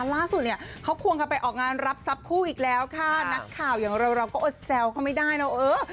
ล่าสุดเนี่ยเขาควงกันไปออกงานรับทรัพย์คู่อีกแล้วค่ะนักข่าวอย่างเราเราก็อดแซวเขาไม่ได้เนอะเออ